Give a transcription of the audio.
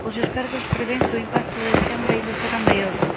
Os expertos prevén que o impacto de decembro aínda será maior.